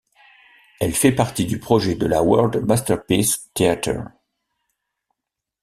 Elle fait partie du projet de la World Masterpiece Theater.